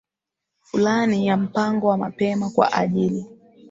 fulani ya mpango wa mapema kwa ajili